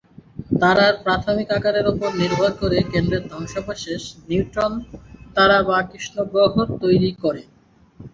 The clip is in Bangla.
তারার প্রাথমিক আকারের উপর নির্ভর করে, কেন্দ্রের ধ্বংসাবশেষ নিউট্রন তারা বা কৃষ্ণগহ্বর তৈরি করে।